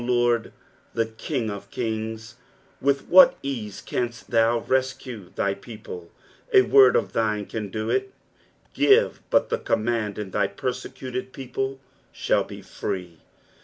0 Lord, the King of kings, with what ease canst tbou rescue thy people ; a word of thine can do it, give but the command and thy perBecut«d people shall be free.